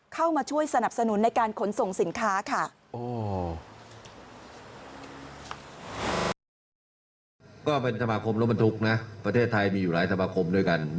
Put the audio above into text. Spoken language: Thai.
เข้ามาช่วยสนับสนุนในการขนส่งสินค้าค่ะ